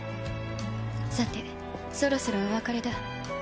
さてそろそろお別れだ。